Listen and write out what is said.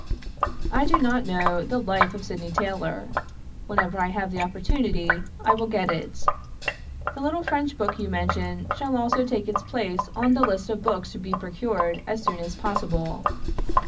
"I do not know the 'Life of Sydney Taylor;' whenever I have the opportunity I will get it. The little French book you mention shall also take its place on the list of books to be procured as soon as possible.